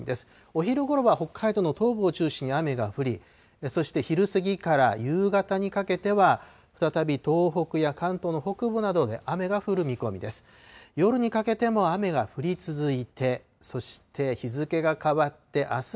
お昼ごろは北海道の東部を中心に雨が降り、そして、昼過ぎから夕方にかけては、再び東北や関東の北部などで雨が降る見込みです。